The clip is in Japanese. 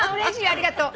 ありがとう。